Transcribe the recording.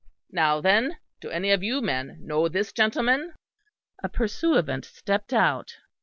"Now then, do any of you men know this gentleman?" A pursuivant stepped out.